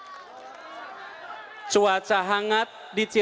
yang meluruskan pasaran konten abu islam